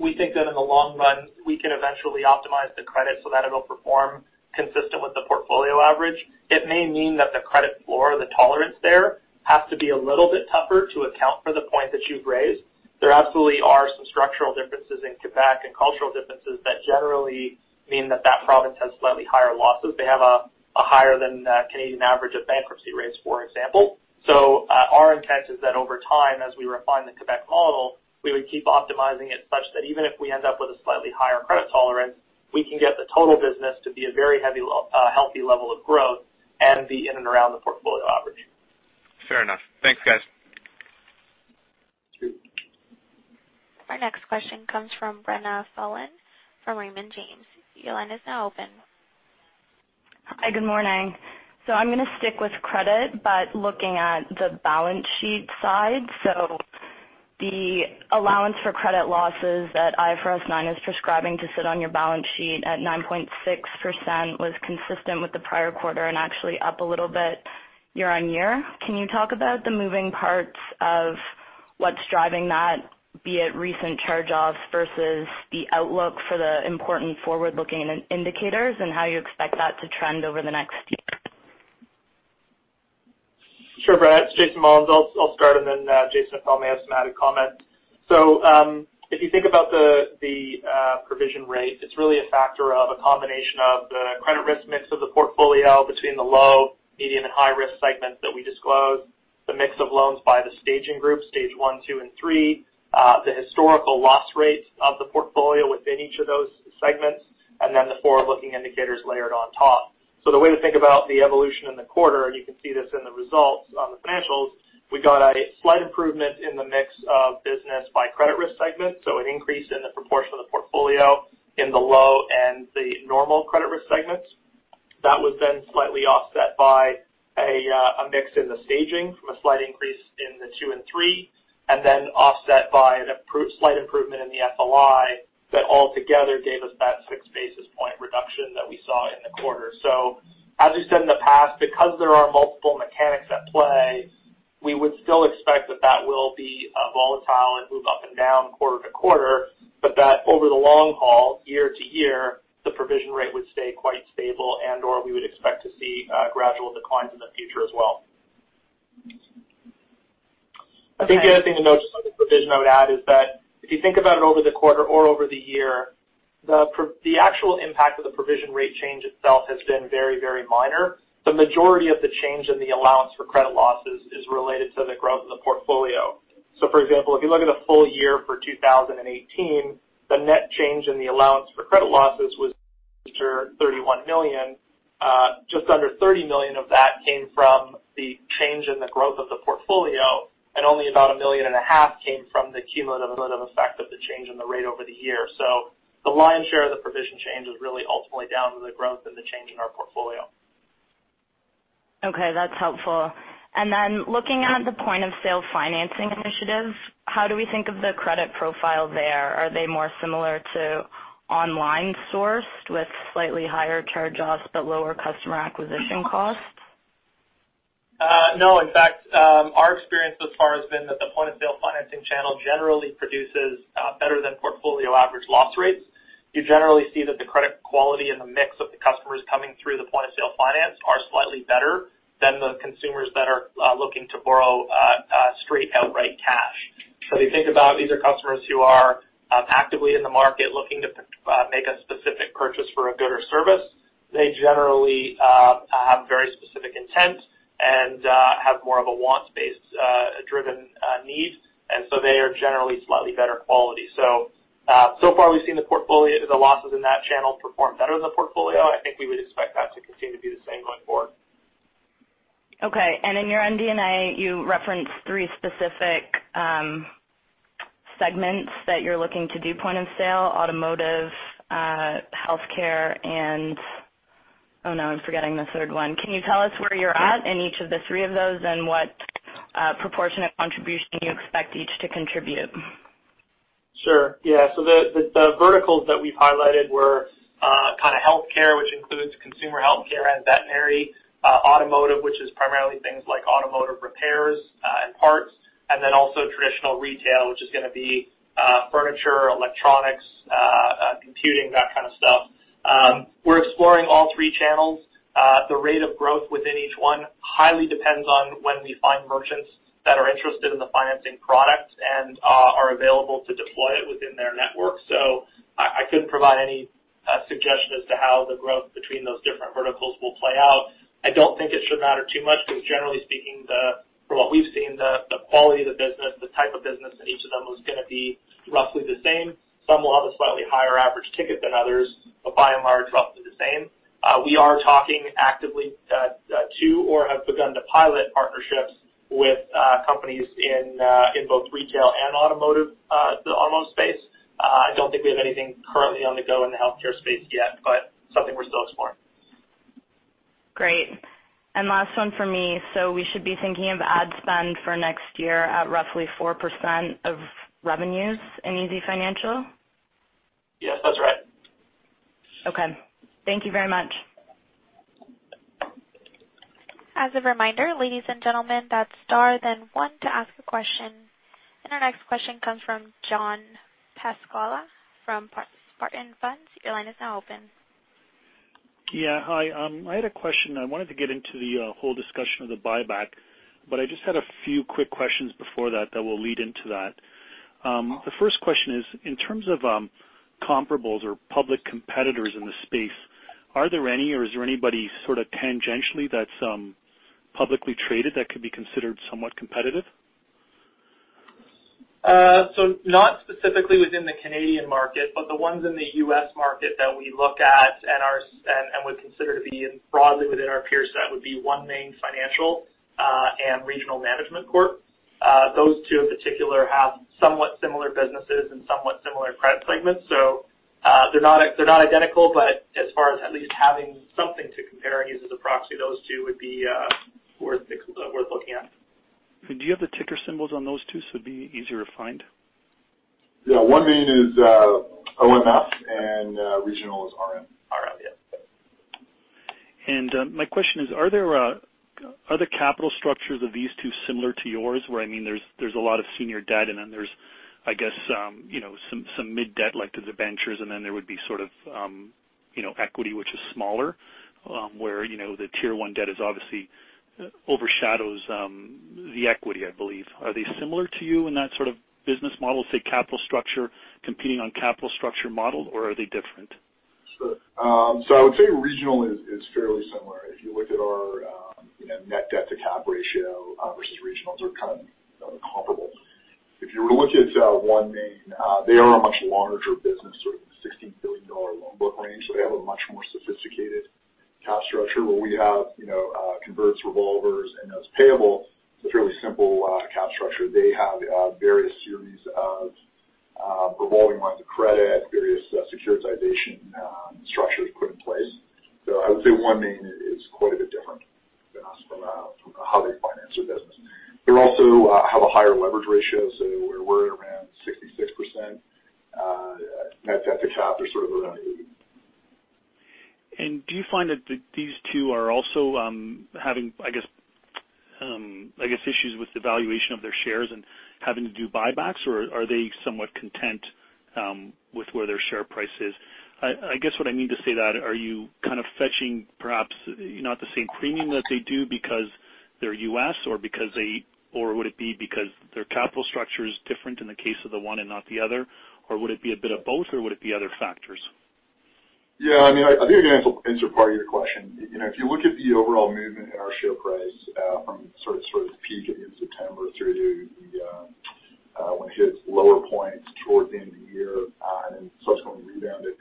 We think that in the long run, we can eventually optimize the credit so that it'll perform consistent with the portfolio average. It may mean that the credit floor, the tolerance there, has to be a little bit tougher to account for the point that you've raised. There absolutely are some structural differences in Quebec and cultural differences that generally mean that that province has slightly higher losses. They have a higher than Canadian average of bankruptcy rates, for example. So, our intent is that over time, as we refine the Quebec model, we would keep optimizing it such that even if we end up with a slightly higher credit tolerance, we can get the total business to be a very healthy level of growth and be in and around the portfolio average. Fair enough. Thanks, guys. Our next question comes from Brenna Phelan from Raymond James. Your line is now open. Hi, good morning. So I'm gonna stick with credit, but looking at the balance sheet side. So the allowance for credit losses that IFRS 9 is prescribing to sit on your balance sheet at 9.6% was consistent with the prior quarter and actually up a little bit year-on-year. Can you talk about the moving parts of what's driving that, be it recent charge-offs versus the outlook for the important forward-looking indicators, and how you expect that to trend over the next year? Sure, Brenna. It's Jason Mullins. I'll start, and then Jason Appel may have some added comment. So, if you think about the provision rate, it's really a factor of a combination of the credit risk mix of the portfolio between the low, medium, and high-risk segments that we disclose, the mix of loans by the staging group, stage one, two, and three, the historical loss rates of the portfolio within each of those segments, and then the forward-looking indicators layered on top. So the way to think about the evolution in the quarter, and you can see this in the results on the financials, we got a slight improvement in the mix of business by credit risk segment. So an increase in the proportion of the portfolio in the low and the normal credit risk segments. That was then slightly offset by a mix in the staging from a slight increase in the two and three, and then offset by the slight improvement in the FLI, that altogether gave us that six basis point reduction that we saw in the quarter. So as we've said in the past, because there are multiple mechanics at play, we would still expect that that will be volatile and move up and down quarter to quarter, but that over the long haul, year to year, the provision rate would stay quite stable and/or we would expect to see gradual declines in the future as well. I think the other thing to note, just on the provision I would add, is that if you think about it over the quarter or over the year, the actual impact of the provision rate change itself has been very, very minor. The majority of the change in the allowance for credit losses is related to the growth of the portfolio. So for example, if you look at the full year for two thousand and eighteen, the net change in the allowance for credit losses was 31 million. Just under 30 million of that came from the change in the growth of the portfolio, and only about 1.5 million came from the cumulative effect of the change in the rate over the year. So the lion's share of the provision change is really ultimately down to the growth and the change in our portfolio. Okay, that's helpful. And then looking at the point-of-sale financing initiatives, how do we think of the credit profile there? Are they more similar to online sourced with slightly higher charge-offs but lower customer acquisition costs? No. In fact, our experience so far has been that the point-of-sale financing channel generally produces better than portfolio average loss rates. You generally see that the credit quality and the mix of the customers coming through the point-of-sale finance are slightly better than the consumers that are looking to borrow straight outright cash. So if you think about it, these are customers who are actively in the market, looking to make a specific purchase for a good or service. They generally have very specific intent and have more of a wants-based driven need, and so they are generally slightly better quality. So, so far, we've seen the portfolio, the losses in that channel perform better than the portfolio. I think we would expect that to continue to do the same going forward. Okay, and in your MD&A, you referenced three specific segments that you're looking to do point of sale, automotive, healthcare, and... Oh, no, I'm forgetting the third one. Can you tell us where you're at in each of the three of those, and what proportionate contribution you expect each to contribute? Sure. Yeah. So the verticals that we've highlighted were kind of healthcare, which includes consumer healthcare and veterinary, automotive, which is primarily things like automotive repairs, and parts, and then also traditional retail, which is gonna be furniture, electronics, computing, that kind of stuff. We're exploring all three channels. The rate of growth within each one highly depends on when we find merchants that are interested in the financing product and are available to deploy it within their network. So I couldn't provide any suggestion as to how the growth between those different verticals will play out. I don't think it should matter too much because generally speaking, the, from what we've seen, the quality of the business, the type of business in each of them is gonna be roughly the same. Some will have a slightly higher average ticket than others, but by and large, roughly the same. We are talking actively to or have begun to pilot partnerships with companies in both retail and automotive, the automotive space. I don't think we have anything currently on the go in the healthcare space yet, but something we're still exploring. Great. And last one for me. So we should be thinking of ad spend for next year at roughly 4% of revenues in easyfinancial? Yes, that's right. Okay, thank you very much. As a reminder, ladies and gentlemen, that's star then one to ask a question. And our next question comes from [John Pascuala] from Spartan Fund Management. Your line is now open. Yeah. Hi, I had a question. I wanted to get into the whole discussion of the buyback, but I just had a few quick questions before that, that will lead into that. The first question is, in terms of comparables or public competitors in the space, are there any or is there anybody sort of tangentially that's publicly traded that could be considered somewhat competitive? Not specifically within the Canadian market, but the ones in the US market that we look at and would consider to be broadly within our peer set would be OneMain Financial and Regional Management Corp. Those two in particular have somewhat similar businesses and somewhat similar credit segments, so they're not identical, but as far as at least having something to compare and use as a proxy, those two would be worth looking at. Do you have the ticker symbols on those two, so it'd be easier to find? Yeah, OneMain is OMF, and Regional is RM. RM, yes. My question is, are the capital structures of these two similar to yours, where, I mean, there's a lot of senior debt, and then there's, I guess, you know, some mid debt, like to the debentures, and then there would be sort of, you know, equity, which is smaller, where, you know, the Tier one debt is obviously overshadows the equity, I believe. Are they similar to you in that sort of business model, say, capital structure, competing on capital structure model, or are they different? Sure. So I would say Regional is fairly similar. If you looked at our, you know, net debt to cap ratio, versus Regional's, they're kind of comparable. If you were to look at OneMain, they are a much larger business, sort of $16 billion loan book range, so they have a much more sophisticated cap structure. Where we have, you know, converts, revolvers, and notes payable, it's a fairly simple, cap structure. They have various series of revolving lines of credit, various securitization structures put in place. So I would say OneMain is quite a bit different than us from how they finance their business. They also have a higher leverage ratio. So we're around 66% net debt to cap. They're sort of around 80%. Do you find that these two are also having, I guess, issues with the valuation of their shares and having to do buybacks, or are they somewhat content with where their share price is? I guess what I mean to say that, are you kind of fetching perhaps not the same premium that they do because they're U.S., or because they or would it be because their capital structure is different in the case of the one and not the other? Or would it be a bit of both, or would it be other factors? Yeah, I mean, I think I answered part of your question. You know, if you look at the overall movement in our share price, from sort of the peak in September through to the when it hits lower points towards the end of the year, and subsequently rebounded.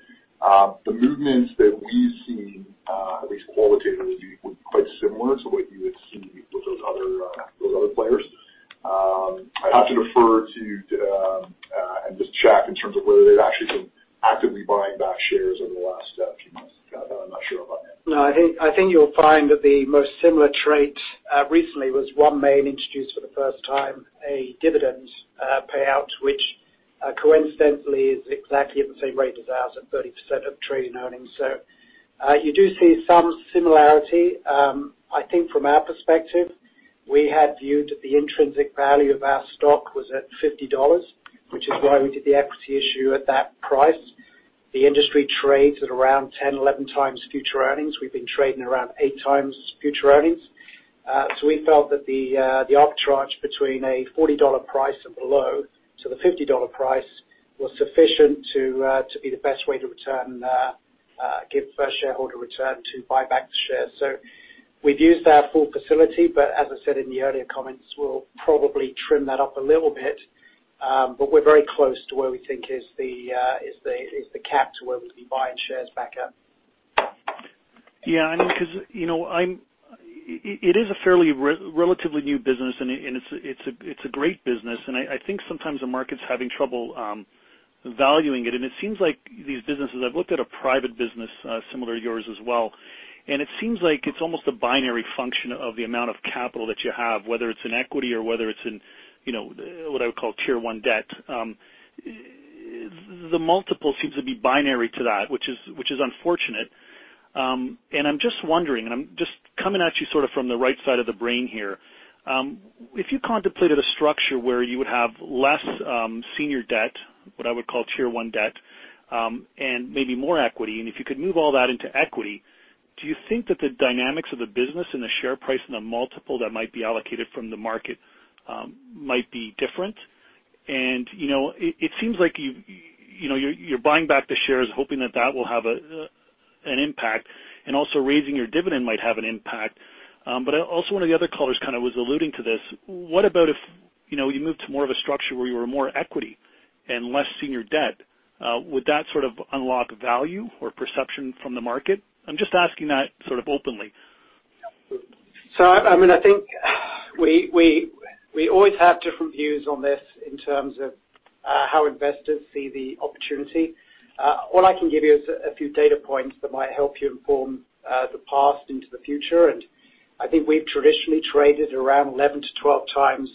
The movements that we've seen, at least qualitatively, were quite similar to what you would see with those other players. I'd have to defer to and just check in terms of whether they've actually been actively buying back shares over the last few months. I'm not sure about that. No, I think you'll find that the most similar trait recently was OneMain introduced for the first time a dividend payout, which coincidentally is exactly at the same rate as ours, at 30% of trailing earnings. You do see some similarity. I think from our perspective, we had viewed the intrinsic value of our stock was at 50 dollars, which is why we did the equity issue at that price. The industry trades at around 10-11 times future earnings. We've been trading around eight times future earnings. We felt that the arbitrage between a 40 dollar price and below to the 50 dollar price was sufficient to be the best way to give shareholder return to buy back the shares. So we've used our full facility, but as I said in the earlier comments, we'll probably trim that up a little bit. But we're very close to where we think is the cap to where we'd be buying shares back up. Yeah, I mean, because, you know, it is a fairly relatively new business, and it's a great business, and I think sometimes the market's having trouble valuing it. And it seems like these businesses. I've looked at a private business similar to yours as well, and it seems like it's almost a binary function of the amount of capital that you have, whether it's in equity or whether it's in, you know, what I would call Tier one debt. The multiple seems to be binary to that, which is unfortunate. And I'm just wondering, and I'm just coming at you sort of from the right side of the brain here. If you contemplated a structure where you would have less, senior debt, what I would call Tier one debt, and maybe more equity, and if you could move all that into equity, do you think that the dynamics of the business and the share price and the multiple that might be allocated from the market, might be different? And, you know, it seems like you know, you're buying back the shares, hoping that will have an impact, and also raising your dividend might have an impact. But also one of the other callers kind of was alluding to this: What about if, you know, you moved to more of a structure where you were more equity and less senior debt, would that sort of unlock value or perception from the market? I'm just asking that sort of openly. So I mean I think we always have different views on this in terms of how investors see the opportunity. All I can give you is a few data points that might help you inform the past into the future. I think we've traditionally traded around 11-12 times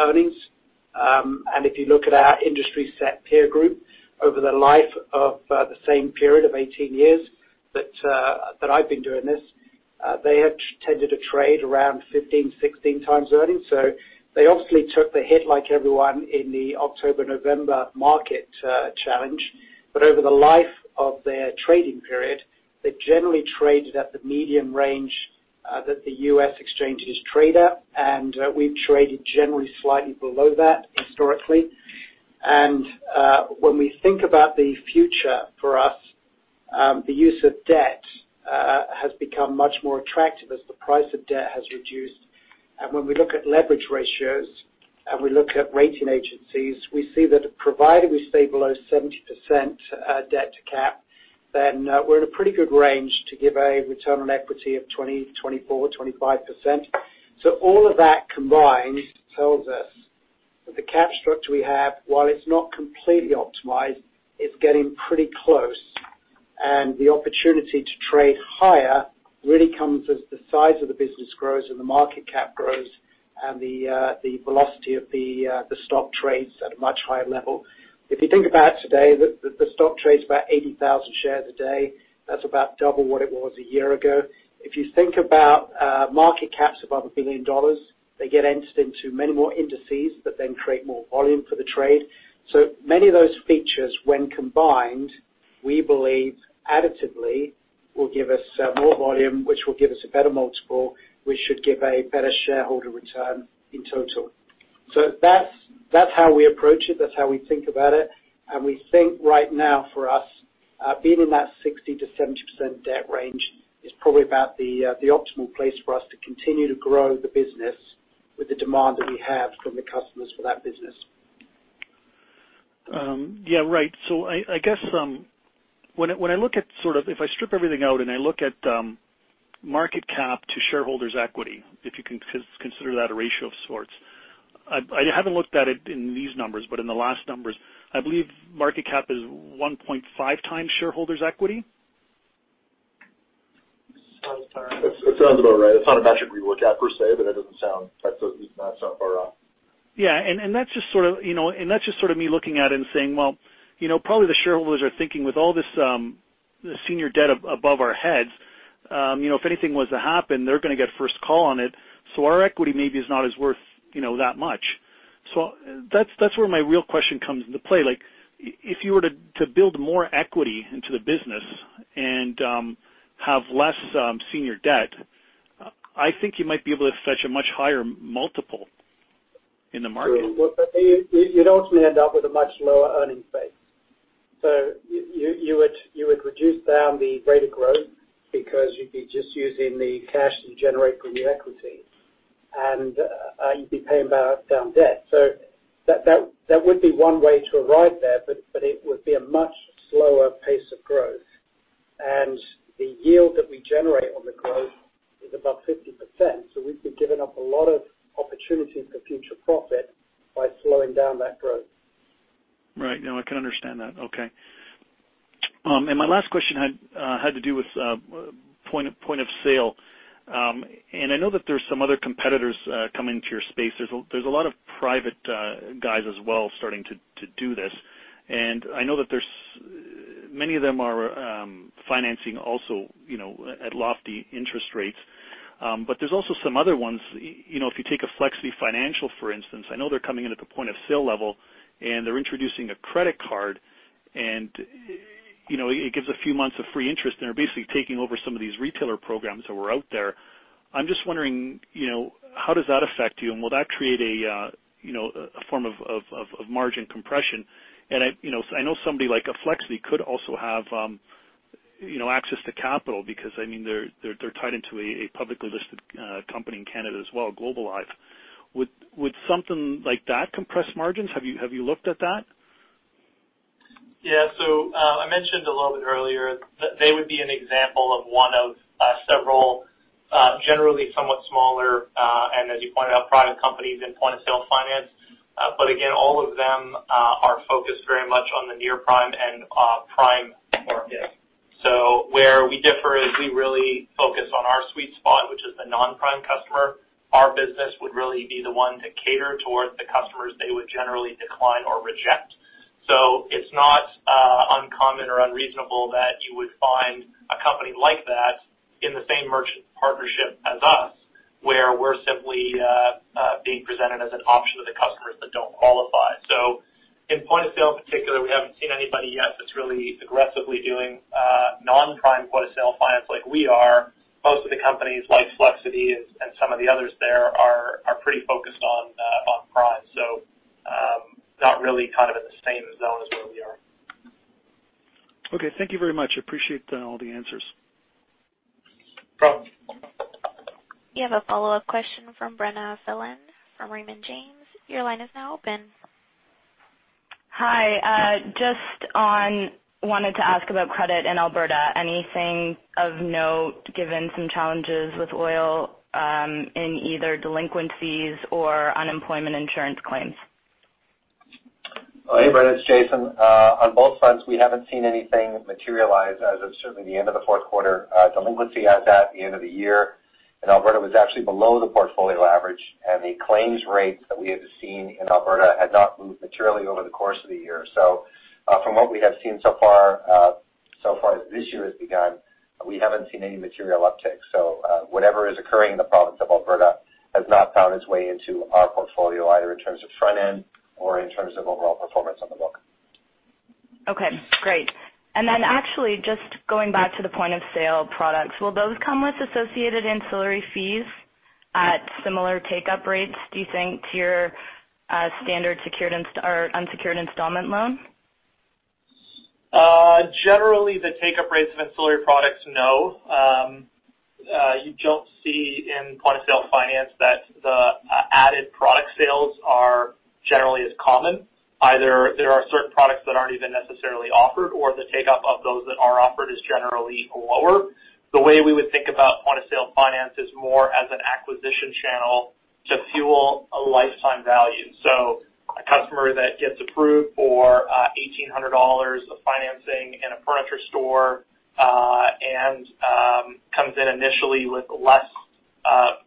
earnings. If you look at our industry set peer group over the life of the same period of 18 years that I've been doing this, they have tended to trade around 15, 16 times earnings. They obviously took the hit like everyone in the October-November market challenge. Over the life of their trading period, they generally traded at the medium range that the U.S. exchanges trade at. We've traded generally slightly below that historically. When we think about the future for us, the use of debt has become much more attractive as the price of debt has reduced. When we look at leverage ratios, and we look at rating agencies, we see that provided we stay below 70%, debt to cap, then we're in a pretty good range to give a return on equity of 20, 24, 25%. So all of that combined tells us that the cap structure we have, while it's not completely optimized, it's getting pretty close. The opportunity to trade higher really comes as the size of the business grows and the market cap grows and the velocity of the stock trades at a much higher level. If you think about today, the stock trades about 80,000 shares a day. That's about double what it was a year ago. If you think about, market caps above a billion dollars, they get entered into many more indices that then create more volume for the trade. So many of those features, when combined, we believe additively, will give us, more volume, which will give us a better multiple, which should give a better shareholder return in total. So that's, that's how we approach it, that's how we think about it. And we think right now for us, being in that 60%-70% debt range is probably about the, the optimal place for us to continue to grow the business with the demand that we have from the customers for that business. Yeah, right. So I guess, when I look at sort of if I strip everything out and I look at market cap to shareholders' equity, if you can consider that a ratio of sorts, I haven't looked at it in these numbers, but in the last numbers, I believe market cap is 1.5 times shareholders' equity? It sounds about right. It's not a metric we look at per se, but it doesn't sound like that's not far off. Yeah, and that's just sort of, you know, me looking at it and saying, well, you know, probably the shareholders are thinking with all this senior debt above our heads, you know, if anything was to happen, they're gonna get first call on it, so our equity maybe is not as worth, you know, that much. So that's where my real question comes into play. Like, if you were to build more equity into the business and have less senior debt, I think you might be able to fetch a much higher multiple in the market. You'd ultimately end up with a much lower earnings base. You would reduce down the rate of growth because you'd be just using the cash you generate from the equity, and you'd be paying back down debt. That would be one way to arrive there, but it would be a much slower pace of growth. The yield that we generate on the growth is about 50%, so we'd be giving up a lot of opportunity for future profit by slowing down that growth. Right. No, I can understand that. Okay. And my last question had to do with point of sale. And I know that there's some other competitors coming into your space. There's a lot of private guys as well starting to do this. And I know that there's many of them are financing also, you know, at lofty interest rates. But there's also some other ones, you know, if you take a Flexiti Financial, for instance, I know they're coming in at the point of sale level, and they're introducing a credit card, and, you know, it gives a few months of free interest, and they're basically taking over some of these retailer programs that were out there. I'm just wondering, you know, how does that affect you? And will that create, you know, a form of margin compression? And I, you know, I know somebody like Flexiti could also have, you know, access to capital because, I mean, they're tied into a publicly listed company in Canada as well, Globalive. Would something like that compress margins? Have you looked at that? Yeah, so I mentioned a little bit earlier that they would be an example of one of several, generally somewhat smaller, and as you pointed out, private companies in point-of-sale finance, but again, all of them are focused very much on the near-prime and prime market, so where we differ is we really focus on our sweet spot, which is the non-prime customer. Our business would really be the one to cater towards the customers they would generally decline or reject, so it's not uncommon or unreasonable that you would find a company like that in the same merchant partnership as us, where we're simply being presented as an option to the customers that don't qualify, so in point-of-sale in particular, we haven't seen anybody yet that's really aggressively doing non-prime point-of-sale finance like we are. Most of the companies like Flexiti and some of the others there are pretty focused on prime. So, not really kind of in the same zone as where we are. Okay, thank you very much. I appreciate all the answers. No problem. You have a follow-up question from Brenna Phelan from Raymond James. Your line is now open. Hi, just on, wanted to ask about credit in Alberta. Anything of note, given some challenges with oil, in either delinquencies or unemployment insurance claims? Hey, Brenna, it's Jason. On both fronts, we haven't seen anything materialize as of certainly the end of the fourth quarter. Delinquency at that, at the end of the year, and Alberta was actually below the portfolio average, and the claims rates that we have seen in Alberta had not moved materially over the course of the year. So, from what we have seen so far, so far as this year has begun, we haven't seen any material uptick. So, whatever is occurring in the province of Alberta has not found its way into our portfolio, either in terms of front end or in terms of overall performance on the book. Okay, great. And then actually, just going back to the point of sale products, will those come with associated ancillary fees at similar take-up rates, do you think, to your standard secured or unsecured installment loan? Generally, the take-up rates of ancillary products, no. You don't see in point-of-sale finance that the added product sales are generally as common. Either there are certain products that aren't even necessarily offered, or the take-up of those that are offered is generally lower. The way we would think about point-of-sale finance is more as an acquisition channel to fuel a lifetime value. So a customer that gets approved for 1,800 dollars of financing in a furniture store and comes in initially with less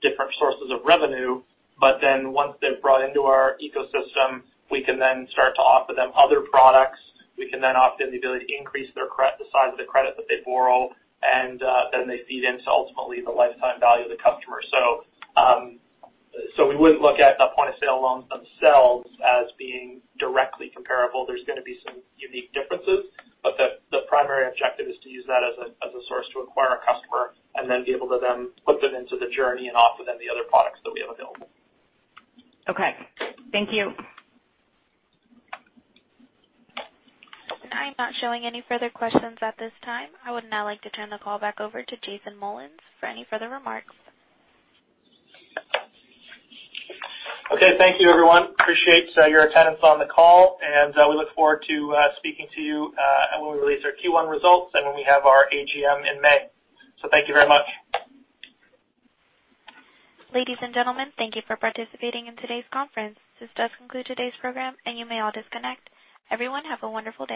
different sources of revenue, but then once they're brought into our ecosystem, we can then start to offer them other products. We can then offer them the ability to increase their the size of the credit that they borrow, and then they feed into ultimately the lifetime value of the customer. We wouldn't look at the point-of-sale loans themselves as being directly comparable. There's gonna be some unique differences, but the primary objective is to use that as a source to acquire a customer and be able to put them into the journey and offer them the other products that we have available. Okay, thank you. I'm not showing any further questions at this time. I would now like to turn the call back over to Jason Mullins for any further remarks. Okay, thank you, everyone. Appreciate your attendance on the call, and we look forward to speaking to you when we release our Q1 results and when we have our AGM in May. So thank you very much. Ladies and gentlemen, thank you for participating in today's conference. This does conclude today's program, and you may all disconnect. Everyone, have a wonderful day.